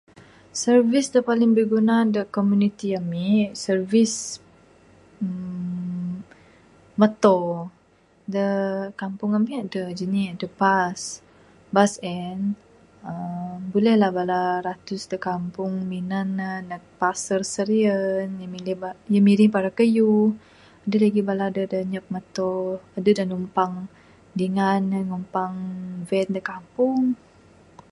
Servis da paling biguna da komuniti ami, servis ermm moto da kampung ami adeh jani adeh bas, bas en aaa buleh lah bala ratus da kampung minan nuh nug pasar serian, bibirih kayuh adeh lagih bala da anyap moto buleh numpang dingan nuh numpang van da kampung.